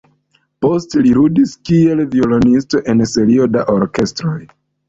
Poste li ludis kiel violonisto en serio da orkestroj.